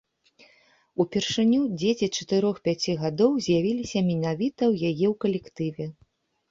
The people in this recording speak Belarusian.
Упершыню дзеці чатырох-пяці гадоў з'явіліся менавіта ў яе ў калектыве.